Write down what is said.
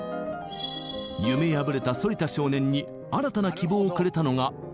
夢破れた反田少年に新たな希望をくれたのがピアノでした。